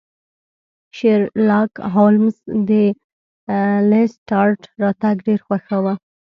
شیرلاک هولمز د لیسټرډ راتګ ډیر خوښاوه.